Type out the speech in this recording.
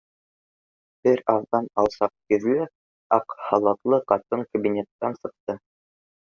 Бер аҙҙан алсаҡ йөҙлө, аҡ халатлы ҡатын кабинетынан сыҡты.